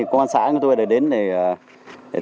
công an xã của tôi đã đến để